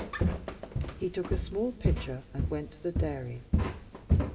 He took a small pitcher and went to the dairy.